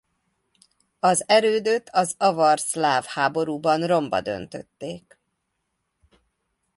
Az erődöt az avar-szláv háborúban romba döntötték.